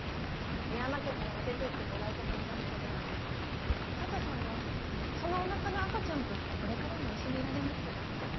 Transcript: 深山家からは出ていってもらうことになるけど佐都さんはそのおなかの赤ちゃんとこれからも一緒にいられます。